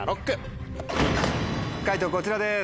解答こちらです。